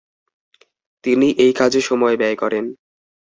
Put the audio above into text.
তিনি এই কাজে সময় ব্যয় করেন।